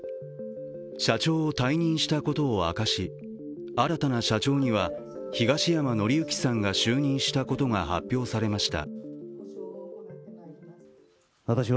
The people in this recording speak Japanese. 社長を退任したことを明かし、新たな社長に東山紀之さんが就任したことが発表されました